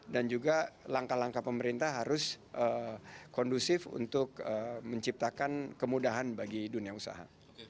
dan juga langkah langkah pemerintah harus kondusif untuk menciptakan kemudahan bagi dunia usaha